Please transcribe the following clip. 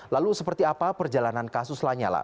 lalu seperti apa perjalanan kasus lanyala